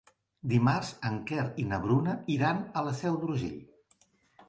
Dimarts en Quer i na Bruna iran a la Seu d'Urgell.